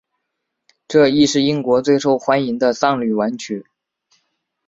这亦是英国最受欢迎的丧礼挽曲。